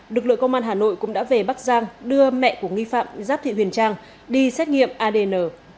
lực lượng công an hà nội cũng đã về bắc giang đưa mẹ của nghi phạm giáp thị huyền trang đi xét nghiệm adn